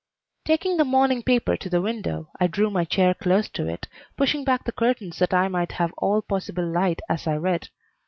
Taking the morning paper to the window, I drew my chair close to it, pushing back the curtains that I might have all possible light as I read.